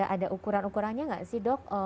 ada ukuran ukurannya nggak sih dok